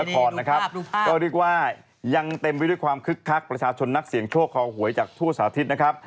ก็เรียกว่ายังเต็มไปด้วยความคึกคักประชาชนนักเสียงโชคคอหวยจากทั่วสาธิตนะครับ